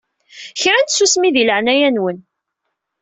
Kra n tsusmi di leɛnaya-nwen!